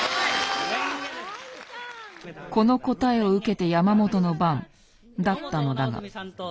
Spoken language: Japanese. この答えを受けて山本の番だったのだが。